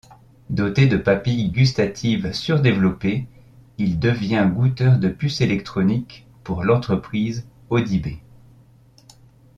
Doté de papilles gustatives surdéveloppées, il devient goûteur de puces électroniques pour l’entreprise Odibé.